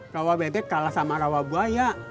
rawa bebek kalah sama rawa buaya